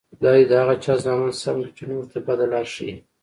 خدای دې د هغه چا زامن سم کړي، چې نورو ته بده لار ښیي.